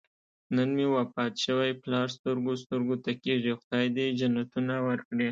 نن مې وفات شوی پلار سترګو سترګو ته کېږي. خدای دې جنتونه ورکړي.